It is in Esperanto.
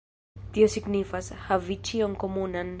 Tio signifas: havi ĉion komunan.